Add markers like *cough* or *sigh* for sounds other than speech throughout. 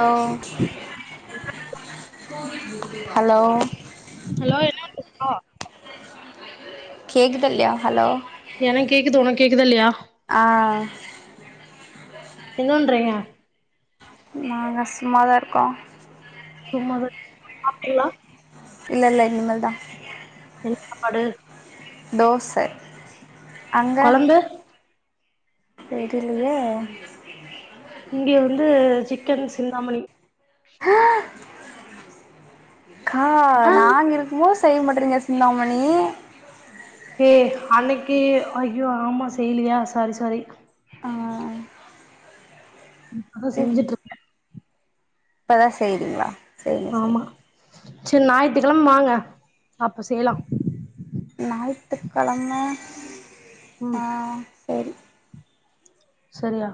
Hello hello hello என்ன பண்றீங்கோ கேக்குதா இல்லயா ஹலோ எனக் கேக்குது ஒனக் கேக்குதா இல்லயா ஆ என்னோன்றிங்க நாங்க சும்மா தா இர்க்கோ சும்மாதா சாப்டீங்ளா இல்ல இல்ல இனிமேல் தா என்ன சாப்பாடு தோச அங்க கொழம்பு தெரிலியே இங்கே வந்து சிக்கன் சிந்தாமணி ஆ கா ஆ நாங்க இருக்குமோது செய்ய மாட்றீங்க சிந்தாமணி ஏ அன்னிக்கி ஐயோ ஆமா செய்லியா சாரி சாரி ஆ இப்பதா செஞ்சுட்டு இருக்கே இப்பதா செய்றீங்ளா ஆமா சேர் ஞாயித்துக்கெழம வாங்க அப்ப செய்லா ஞாயித்துக்கெழம ம் அ செரி சரியா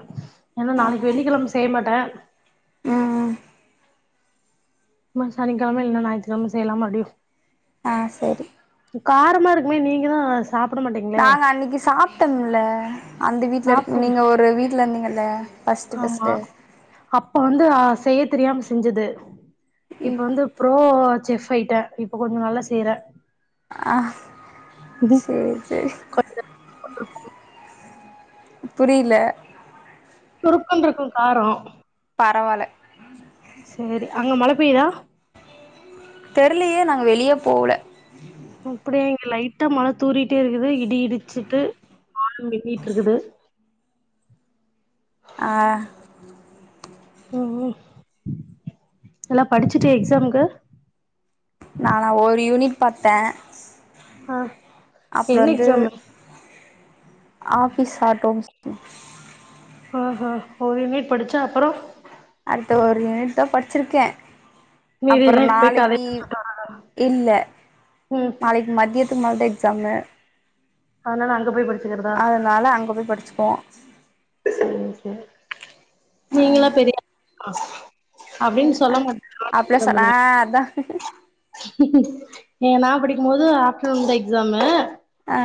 ஏனா நாளைக்கி வெள்ளிக்கெழம செய்ய மாட்டே ம் ம் இந்த சனிக்கெழம இல்ல ஞாயித்திகெழம செய்லாமாடி ஆ செரி காரமா இருக்குமே நீங்கதாஸ் சாப்ட மாட்டீங்க நாங்க அன்னிக்கி சாப்ட்டோமுல அந்த வீட்ல இருக்க சாப்ட்டீங்க நீங்க ஒரு வீட்ல இருந்தீங்கல்ல ஃபஸ்ட்டு ஆமா ஃபஸ்ட்டு அப்ப வந்து அ செய்ய தெரியாம செஞ்சது இப்ப வந்து ப்ரோ செஃப் ஆயிட்டே இப்ப கொஞ்சோ நல்லா செய்றே ஆ சேர் சேர் *inaudible* புரில சுருக்குனு இருக்கு காரோ பரவால்ல சேரி அங்க மழ பெய்தா தெரிலியே நா வெளியே போல இப்டே இங்க லைட்டா மழ தூறிட்டே இருக்குது இடி இடிச்சிட்டு வானம் மின்னிட்டு இருக்குது ஆ ம் ம் நல்லா படிச்சுட்யா எக்ஸாம்க்கு நானா ஒரு யூனிட் பாத்தே ஆ அப்றோ என்ன வந்து எக்ஸாமு ஆபீஸ் ஆட்டோம்ஸ் ஓஹோ ஒரு யுனிட் படிச்ச அப்பறோ அடுத்த ஒரு யூனிட் தா படிச்சிருக்கே அப்பற மீதியெல்லா இப்பயே கதைய நாளைக்கி இல்ல ம் நாளைக்கு மதியத் துக்கு மேல தான் எக்ஸாமு அதனால அங்க போய் ப அதனால அங்க போய் படிச்சுப்போம் சேரி சேரி நீங்களாம் பெரிய ஆ அப்டின்னு சொல்ல மாட்டேன் அப்டிலா ஆபிஸ் ரூம் சொல் முன்னாடி ஆ அதான் ஏ நான் படிக்கும் போது ஆப்டநூன் தான் எக்ஸாமு ஆ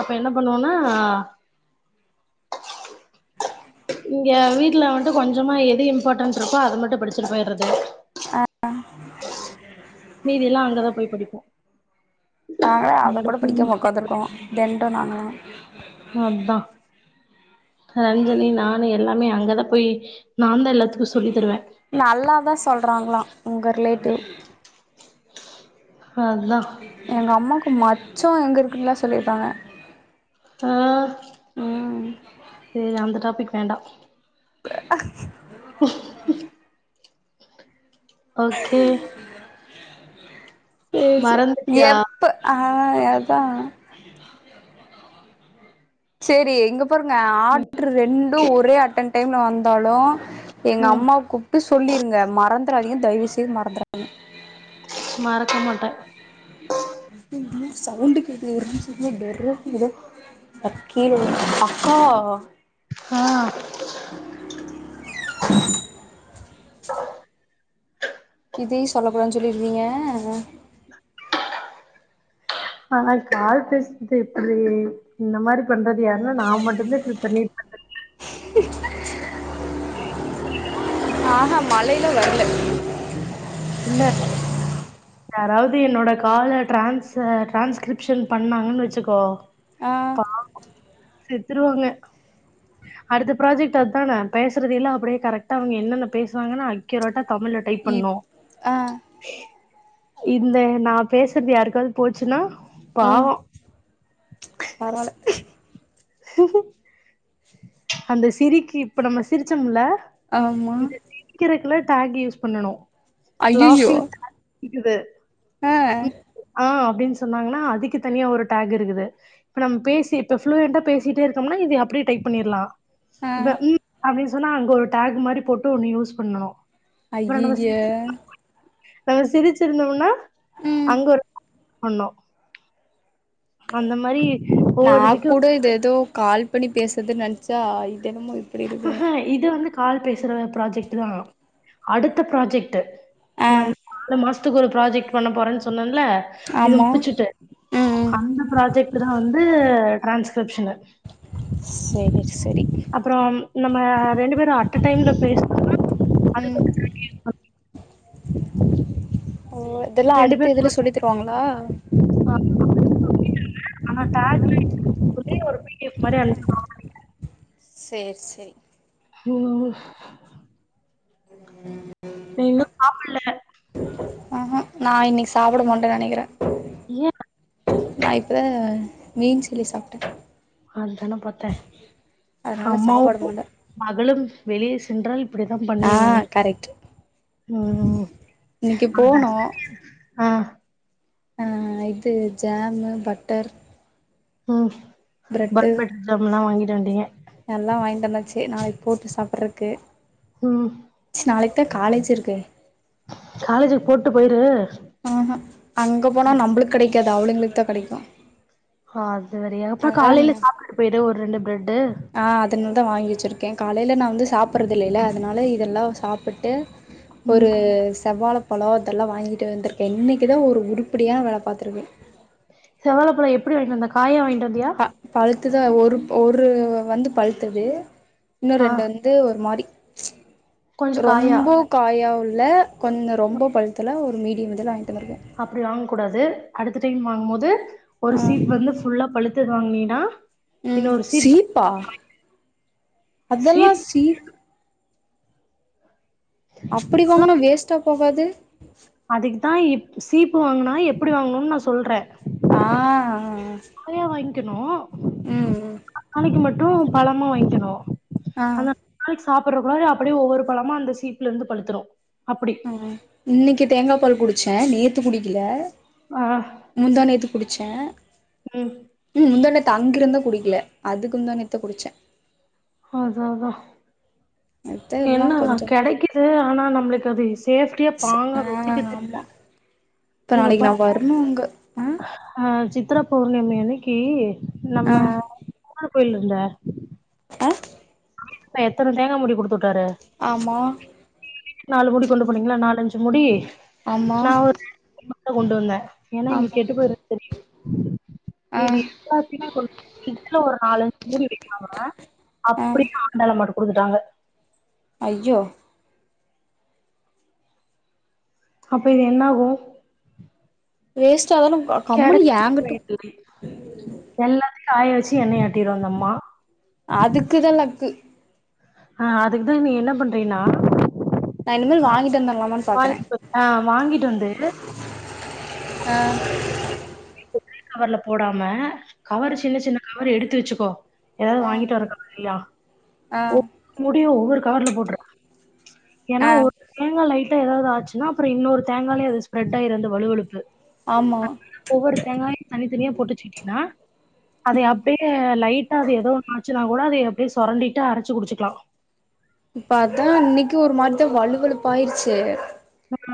அப்ப என்ன பண்ணுவோனா இங்க வீட்ல வந்து கொஞ்சமா எது இம்பார்ட்டன்ட் இருக்கோ அது மட்டும் படிச்சிட்டு போய்றது ஆ ஆ மீதியெல்லா அங்கதா போய் படிப்போ நாங்களே அத கூட படிக்காம உக்காந்துருக்கோம் தெண்ட நானு நா தா ரஞ்சனி நானு எல்லாமே அங்க தா போயி நா தா எல்லாத் சொல்லி தருவே நல்லா தா சொல்கிறாங்களா உங்க ரிலேட்டிவ் அத தா எங்க அம்மாக்கு மச்சம் எங்க இருக்குன்னுல்லா சொல்லிருக்காங்க ஆ ம் இல்ல அந்த டாபிக் வேண்டா இல்ல ஆ ம் ஓகே ம் பேச மறந்துட்டியா எப்ப ஆ அதா சேரி எங்க இங்க பாருங்க ஆடர் ரெண்டு ஒரே அட்டன் டைம்ல வந்தாலு எங்க ம் அம்மாக்கு சொல்லிருங்க மறந்துரதிங்க தயவு செய்து மறந்துரதிங்க மறக்க மாட்டே இங்க எங்கே சவுண்டு கேட்டது ஒரு நிமிஷ இரு கீழ விழுந்து அக்கா ஆ இதயு சொல்ல கூடதுன்னு சொல்லிருவீங்க ஆனா கால் பேசறது இப்படி இந்த மாறி பண்றது யாருன்னா நா மட்டு தா இப்புடி பண்ணி ஆ ஹா மழையில வரல இல்ல யாராவது என்னோட கால்ல டிரான்ஸ் டிரான்ஸ்கிரிப்ஷன் பண்ணாங்கன்னு வச்சுக்கோ ஆ அவுங்க செத்துருவாங்க அடுத்த ப்ராஜெக்ட் அது தானே பேசறத இல்ல அப்படியே கரக்டா அவுங்க என்னென்ன பேசுவாங்கன்னா அக்யூரட்டா தமிழ் டைப் இப் பண்ணு ஆ இந்த நா பேசுறது யாருக்காவது போச்சுன்னா பாவே பரவால அந்த சிரிக்கு இப்ப நம்ம சிரிச்சோம்ல ஆமா சிரிக்கக்குல டேக் யூஸ் பண்ணு ஐயையோ லாசிங் இருக்குது ஆ ஆ அப்புடின்னு சொன்னாங்கன்னா அதுக்கு தனியா ஒரு டேக் இருக்குது இப்ப நம் பேசி இப்ப ஃப்ளோயட்டா பேசிட்டே இருக்கம்னா இது அப்புடியே டைப் பண்ணிறலா ஆ இப்ப ம் அப்டி சொன்னா அங்க ஒரு டேக் மாதிரி போட்டு ஒண்ணு யூஸ் பண்ணனு அப்புறே நம்ம ஐய்யய்ய நம்ம சிரிச்சிருந்தோம்னா ம் அங்க ஒரு பண்ணே அந்த மாறி நா ஒவ்வொரு இதுக்கு கூட இது ஏதோ கால் பண்ணி பேசுறதுன்னு நினைச்சா இது என்னமே இப்புடி இருக்கு ஆஹா இது வந்து கால் பேசுற ப்ராஜெக்ட்டு தா அடுத்த ப்ராஜெக்ட்டு ஆ நா நாளு மாசத்துக்கு ஒரு ப்ராஜெக்ட் பண்ண போறேன்னு சொன்னேன்ல இது ஆமா முடிச்சுட்டு ம் ம் அந்த ப்ராஜெக்ட் தா வந்து ட்ரான்ஸ்கிரிப்ஷனு சேரி சேரி அப்புறம் நம்ம ரெண்டு பேரும் அட்ட டைம்ல பேசினனா அதுக்கு ம் தனியா கேஷ் வரு ஓ இத எல்லா அடுத்து இதுல சொல்லி தருவாங்களா இப்ப அவுங்களே ஆனா டேக் எப்புடி யுஸ் சொல்லி ஒரு பிரிவியஸ் மாறி சேர் சே உஹ ம் நீ இன்னு சாப்பல்ல ஆஹா நா இன்னைக் சாப்பட மாட்ட நனைக்கிறே ஏ நா இப்பதாமீன் சில்லி சாப்ட்டே அதுதானே பாத்தே அதனால சாப்ட அம்மாவு மாட்டே மகளு வெளியே சென்றால் இப்படித்தா ஆ பண்ணுவீங்கன்னு கரெக்ட் ம் இன்னைக்கு போனோ ஆ ஆ இது ஜாமு பட்டர் ம் பிரெட்டு பன் பட்டர் ஜாமுன்ல்லா வாங்கிட்டு வண்டீங்க எல்லா வாங்டந்தாச்சு நாளைக் போட்டு சாப்பற்றக்கு ம் ச நாளைக் தா காலேஜ் இருக்கே காலேஜுக்கு போட்டு போயிரு ஆஹ அங்க போனா நம்பளுக் கடைக்காது அவுளுங்களுக்கு தா கடைக்கு அது வேறையா அப்ப காலையில சாப்ட்டுட்டு போயிரு ஒரு ரெண்டு பிரெட்டு் ஆ அதனால தா வாங்கி வச்சுருக்கே காலையில் நா வந்து சாப்பற்றது இல்லைல்ல அதனால இதெல்லா சாப்புட்டு ம். ஒரு செவ்வால பலோ அத்தெல்லா வாங்கிட்டு வந்தருக்க இன்னைக்கு தா ஒரு உருப்புடியா வேல பாத்துருக்கே செவாப்பழ எப்படி வாங்கிட்டு வந்த காயா வாங்கிட்டு வந்தியா அ பழ்த்ததா ஒரு ஒரு வந்து பழ்த்துது இன்னு ஆ. ரெண்டு வந் து ஒரு மாரி கொஞ்சோ காயா ரொம்போ காயாவு இல்ல உள்ள கொஞ்ச ரொம்ப பழுத்தில்ல ஒரு மீடியம் இதில வாங்கிட்டு வந்துருக்கே அப்படி வாங் கூடாது அடுத்த டைம் வாங்கும்போது ஒரு ஆ சீப் வந்து ஃபுல்லா பழுத்து வாங்னீன்னா ம் இன்னொரு சிப் சீப்பா அதெல்லா சிப் சீப் அப்படி வாங்னா வேஸ்ட்டா போகாது அதுக்குதா எப் சீப்பு வாங்குனா எப்படி வாங்கணுன் நா சொல்றே ஆ நறையா வாங்க்கணு ம் நாளைக்கு மட்டு பழமா வாங்க்கணு ஆ அந்த நாளைக் சாப்புற்றக்குள்ளார அப்படியே ஒவ்வொரு பழமா அந்த சீப்புல இருந்து பழுத்துரு அப்படி இன்னைக்கு தேங்கா பால் குடிச்சே நேத்து குடிக்கல ஆ முந்தா நேத்து குடிச்சே ம் ம் முந்தாநேத்து அங்கிருந்த குடிக்கல அதுக்கு முந்தாநேத்து குடிச்சே அதா அதா மத்த எல்லா என்ன கொஞ்சோ கெடைக்குது ஆனா நம்ளுக்கு அது சேஃப்ட்டியா ஸ் பாங்கா ஆ வச்சுக்க ஆமா இப்ப நாளைக்கு நா வரணு அங்க ஆ அ சித்தரா பௌர்ணமி அன்னைக்கி ஆ நம்ம *inaudible* கோயில்ல இருந்த ஆ எத்தன தேங்கா மூடி குடுத்துட்டாரு ஆமா நாலு மூடி கொண்டு போனீங்களா நாலஞ்சு மூடி ஆமா நா *inaudible* கொண்டு வந்தே ஏன்னா இங்க ஆமா கெட்டு போயிருது ஆ மீதி ராத்திரி கொண் ஒரு நாலஞ் மூடி வைக்கலாங்க அப் ஆ அப்படியே ஆண்டாளம்மாட்ட குடுத்துட்டாங்க ஐய்யோ அப்ப இது என்ன ஆகு வேஸ்ட்டாதான ஆ கம்முனு யேங்கட்ட எல்லாத்தயு காய வச்சு எண்ணை ஆட்டிரு அந்தம்மா அதுக்குதா லக்கு ஆ அதுக்குதா நீ என்ன பண்றயினா நா இனிமேல் வாங்கிட்டு வந்தர்லாமான்னு பாக்கறே ஆ வாங்கிட்டு வந்து ஆ ஒரே கவர்ல போடாம கவரு சின்ன சின்ன கவரு எடுத்து வச்சுக்கோ எதாவது ஆ வாங்கிட்டு வர்ற கவரு இல்லையா ஆ ஒவ்வொரு மூடியு ஒவ்வொரு கவர்ல போட்ரு ஏன்னா ஆ ஒரு தேங்கா லைட்டா எதாவது ஆச்சுன்னா அப்புற இன்னொரு தேங்காயிலயு அது ஸ்ப்ரெட் ஆயிரு அந்த வழுவழுப்பு ஆமா ஒவ்வொரு தேங்காயு தனித்தனியா போட்டு வச்சுக்கிட்டீன்னா அதய அப்டியே லைட்டா அது எதோ ஒன்னு ஆச்சு ன்னா கூட அத எப்டியோ சொரண்டிட்டு அரைச்சு குடிச்சுக்கலா இப்ப அதா இன்னைக்கு ஒரு மாரிதா வழுவழுப்பு ஆயிருச்சு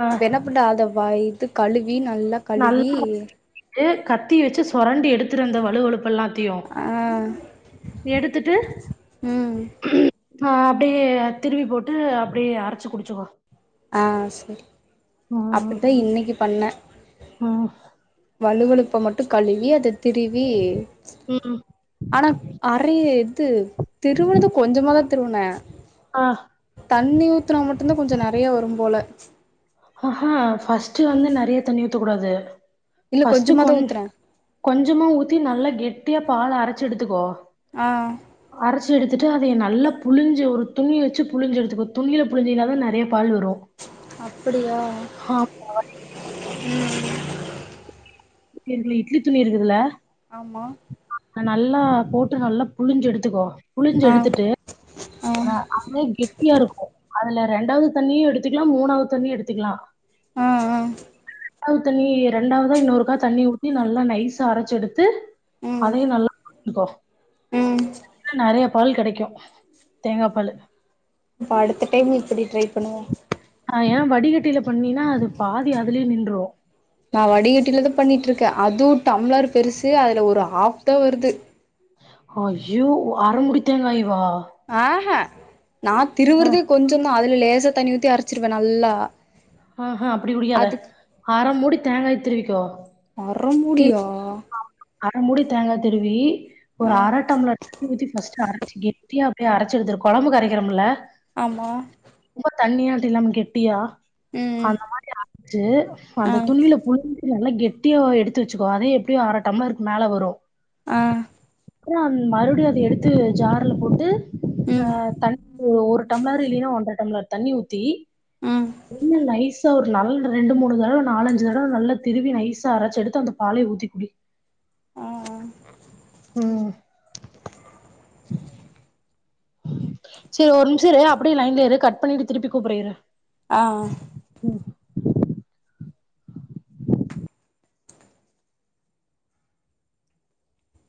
ஆ இப்ப என்ன பண்ட்ட அத வ இது கழுவி நல்லா கழுவி நல்லா கழுவிட்டு கத்திய வச்சு சொரண்டி எடுத்துரு அந்த வழுவழுப்பெல்லா த்தையு ஆ எடுத்துட்டு ம் ஆ அப்டியே திருவி போட்டு அப்டியே அரைச்சு குடிச்சுக்கோ ஆ சேரி ம் அப்பிடிதா இன்னைக்கி பண்ணே ம் வழுவழுப்ப மட்டு கழுவி அத திருவி ம் ஆனா அரைய இது திருவினது கொஞ்சமாதா திருவுனே ஆ தண்ணி ஊத்துனா மட்டும்தான் கொஞ்ச நெறைய வரும் போல ஹஹ்ஹா ஃபஸ்ட்டு வந்து நெறைய தண்ணி ஊத்தக் கூடாது இல்ல ஃபஸ்ட்டு கொஞ்சமாதா கொஞ் ஊத்துனே கொஞ்சமா ஊத்தி நல்லா கெட்டியா பால அரைச்சு எடுத்துக்கோ ஆ அரச்சு எடுத்துட்டு அதைய நல்லா புழிஞ்சு ஒரு துணிய வச்சு புழிஞ்சு எடுத்துக்கோ துணியில புழிஞ்சயினாதா நெறைய பால் வரு அப்பிடியா ம் ம் வீட்ல இட்லி துணி இருக்குதல்ல ஆமா அத நல்லா போட்டு நல்லா புழிஞ்சு எடுத்துக்கோ புழிஞ்சு ஆ எடுத்துட்டு ஆ அதுவே கெட்டியா இருக்கு அதுல ரெண்டாவது தண்ணியு எடுத்துக்கலா மூணாவது தண்ணியு எடுத்துக்கலா ஆ ஆ *unintelligible* ஆவது தண்ணி ரெண்டாவதா இன்னொருக்கா தண்ணி ஊத்தி நல்லா நைஸா அரச்சு எடுத்து ம் அதையு நல்லா புழிஞ்சுக்கோ ம் *inaudible* நெறைய பால் கெடைக்கு தேங்காப் பாலு அப்ப அடுத்த டைம் இப்பிடி ட்ரை பண்ணுவோ ஆ ஏன் வடிகட்டியில பண்ணின்னா அது பாதி அதுலயே நின்று நா வடிகட்டிலதா பண்ணிட்ருக்கே அதுவு டம்ளர் பெருசு அதுல ஒரு ஹாஃப்தா வருது ஐயோ அர மூடி தேங்காயவா ஆ ஹ நா அ, திருவுறதே கொஞ்சந்தா அதுல லேசா தண்ணி ஊத்தி அரச்சிருவே நல்லா ஆ ஹா அப்டி குடிக்காத அதுக்கு அர மூடி தேங்காய திருவிக்கோ அர திரு மூடியா அர மூடி தேங்கா திருவி ஒரு ஆ அர டம்ளர் தண்ணி ஊத்தி ஃபஸ்ட் அரச்சு கெட்டியா அப்டியே அரைச்செடுத்துரு கொழம்புக் அரைக்கறமல ஆமா ரொம்ப தண்ணியாட்ட இல்லாம கெட்டியா ம் அந்த மாரி அரச்சு ஆ அந்த துணியில புழிஞ்சு நல்லா கெட்டியா எடுத்து வெச்சுக்கோ அத எப்டியோ அர டம்ளருக் மேல வரு ஆ அப்றோ மறுவடியு அத எடுத்து ஜார்ல போட்டு ஆ ம் தண் ஒரு டம்ளர் இல்லின்னா ஒன்ற டம்ளர் தண்ணி ஊத்தி ம் கொஞ்ச நைசா ஒரு நல்ல ரெண்டு மூணு தடவ நாலஞ்சு தடவ நல்லா திருவி நைசா அரச்சு எடுத்து அந்த பாலயு ஊத்தி குடி ஆ ம் செர் ஒரு நிமிஷ இரு அப்டியே லைன்லயே இரு கட் பண்ணிட்டு திருப்பி கூப்பறே இரு ஆ